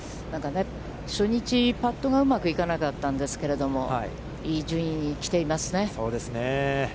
初日パットが、うまくいかなかったんですけど、いい順位に来ていますね。